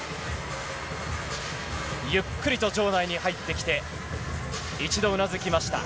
ゆっくりと場内に入ってきて一度うなずきました。